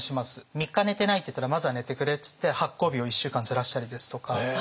３日寝てないって言ったらまずは寝てくれって言って発行日を１週間ずらしたりですとか。